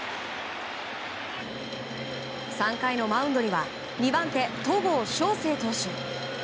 ３回のマウンドには２番手、戸郷翔征投手。